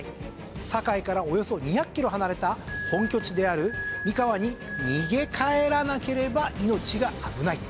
堺からおよそ２００キロ離れた本拠地である三河に逃げ帰らなければ命が危ない。